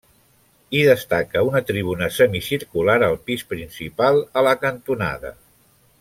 Hi destaca una tribuna semicircular al pis principal, a la cantonada.